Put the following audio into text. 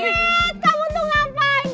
niat kamu tuh ngapain